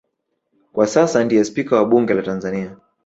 Kwa sasa ndiye Spika wa Bunge la Tanzania